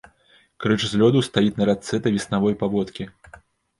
Крыж з лёду стаіць на рацэ да веснавой паводкі.